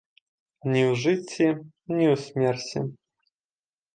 Ні ў жыцці, ні ў смерці.